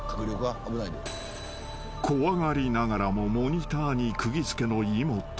［怖がりながらもモニターに釘付けの井本］